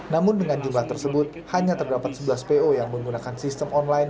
namun dengan jumlah tersebut hanya terdapat sebelas po yang menggunakan sistem online